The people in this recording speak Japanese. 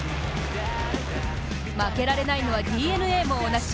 負けられないのはＤｅＮＡも同じ。